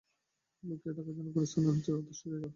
লুকিয়ে থাকার জন্যে গোরস্থান হচ্ছে আদর্শ জায়গা।